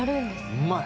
うまい！